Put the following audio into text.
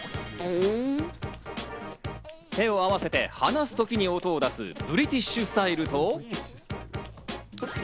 手を合わせて、話すときに音を出すブリティッシュスタイルと。